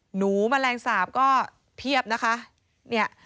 หนูแมลงสาปก็เพียบนะคะเนี่ย